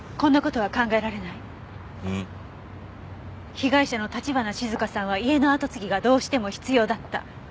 被害者の橘静香さんは家の跡継ぎがどうしても必要だった。